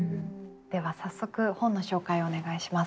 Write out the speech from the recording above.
では早速本の紹介をお願いします。